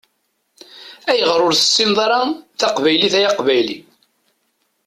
Ayɣeṛ ur tessineḍ ara taqbaylit ay aqbayli?